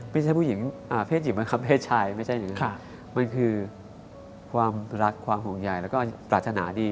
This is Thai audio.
ไม่ใช่ผู้หญิงเพศหญิงบังคับเพศชาย